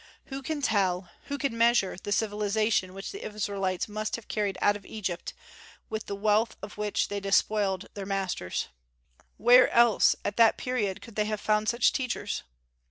Who can tell, who can measure, the civilization which the Israelites must have carried out of Egypt, with the wealth of which they despoiled their masters? Where else at that period could they have found such teachers?